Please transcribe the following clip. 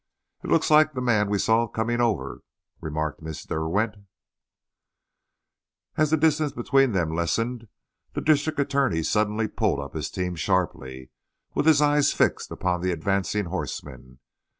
"It looks like the man we saw coming over," remarked Miss Derwent. As the distance between them lessened, the district attorney suddenly pulled up his team sharply, with his eyes fixed upon the advancing horseman.